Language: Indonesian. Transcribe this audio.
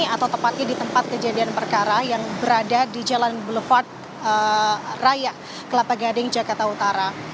atau tepatnya di tempat kejadian perkara yang berada di jalan boulevard raya kelapa gading jakarta utara